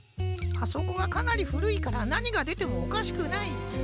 あそこはかなりふるいからなにがでてもおかしくない。